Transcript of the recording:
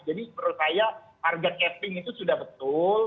jadi menurut saya harga capping itu sudah betul